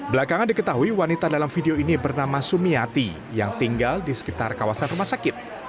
belakangan diketahui wanita dalam video ini bernama sumiati yang tinggal di sekitar kawasan rumah sakit